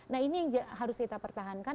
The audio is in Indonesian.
nah ini yang harus kita pertahankan